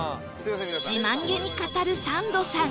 自慢げに語るサンドさん